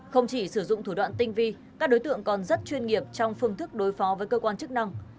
không chỉ sử dụng thủ đoạn tinh vi các đối tượng còn rất chuyên nghiệp trong phương thức đối phó với cơ quan chức năng